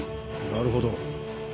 なるほど。